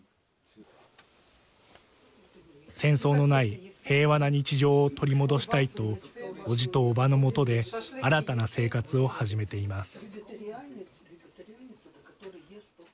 戦争のない平和な日常を取り戻したいとおじとおばの元で新たな生活を始めています。